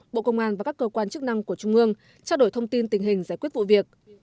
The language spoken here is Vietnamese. bộ công an và các cơ quan chức năng của trung ương trao đổi thông tin tình hình giải quyết vụ việc